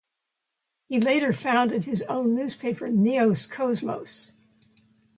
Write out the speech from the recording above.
He later founded his own newspaper "Neos Kosmos".